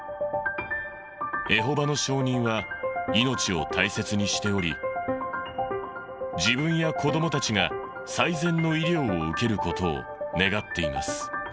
エホバの証人は、命を大切にしており、自分や子どもたちが最善の医療を受けることを願っています。